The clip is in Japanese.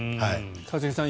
一茂さん